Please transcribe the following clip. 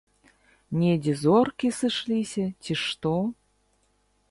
Недзе зоркі сышліся, ці што.